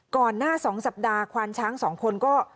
ก่อนหน้า๒สัปดาห์ควานช้าง๒คนก็